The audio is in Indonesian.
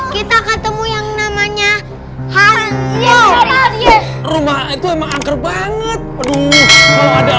kita ketemu yang namanya